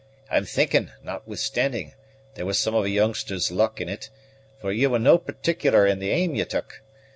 I'm thinking, notwithstanding, there was some of a youngster's luck in it; for ye were no' partic'lar in the aim ye took.